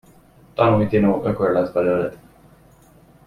Tanulj tinó, ökör lesz belőled.